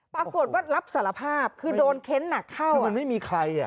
ปรากฏว่ารับสารภาพคือโดนเค้นหนักเข้าคือมันไม่มีใครอ่ะ